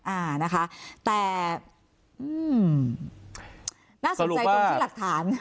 อ่านะคะแต่อืมน่าสนใจตรงที่หลักฐาน